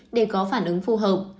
để có phản ứng phù hợp